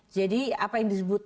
jadi apa yang disebut